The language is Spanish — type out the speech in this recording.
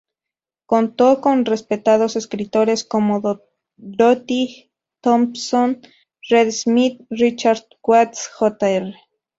Contó con respetados escritores como Dorothy Thompson, Red Smith, Richard Watts, Jr.